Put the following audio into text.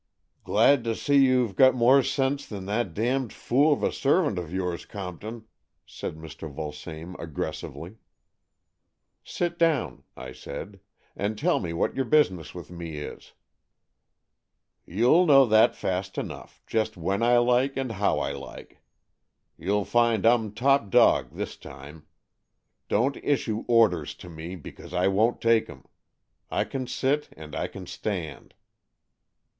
i68 AN EXCHANGE OF SOULS 169 " Glad to see you've got more sense than that damned fool of a servant of yours, Compton," said Mr. Vulsame aggressively. " Sit down," I said, " and tell me what your business with me is." " You'll know that fast enough, just when I like and how I like. You'll find I'm top dog this time. Don't issue orders to me, because I won't take 'em. I can sit and I can stand."